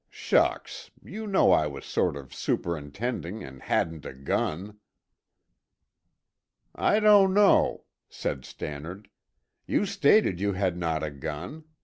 "Shucks! You know I was sort of superintending and hadn't a gun." "I don't know," said Stannard. "You stated you had not a gun.